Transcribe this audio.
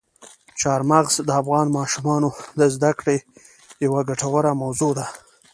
چار مغز د افغان ماشومانو د زده کړې یوه ګټوره موضوع ده.